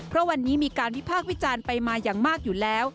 เพราะวันนี้มีการวิพากษ์วิจารณ์ไปมาอย่างมากอยู่แล้ว